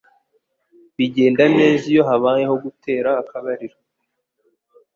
bigenda neza iyo habayeho gutera akabariro